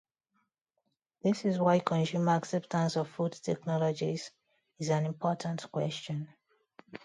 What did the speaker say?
That is why consumer acceptance of food technologies is an important question.